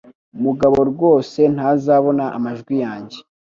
mugabo rwose ntazabona amajwi yanjye